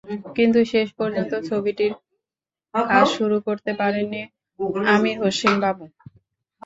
কিন্তু শেষ পর্যন্ত ছবিটির কাজ শুরু করতে পারেননি আমির হোসেন বাবু।